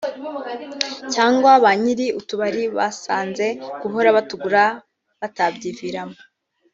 cyangwa ba nyiri utubari basanze guhora batugura batabyiviramo